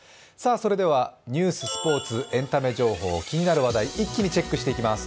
それではニュース、スポーツ、エンタメ情報、気になる話題、一気にチェックしていきます。